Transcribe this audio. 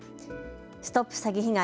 ＳＴＯＰ詐欺被害！